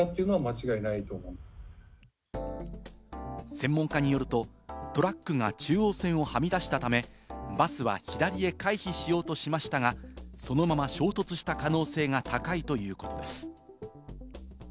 専門家によると、トラックが中央線をはみ出したため、バスは左へ回避しようとしましたが、そのまま衝突した可能性が高いということです。